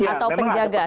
atau penjaga sipir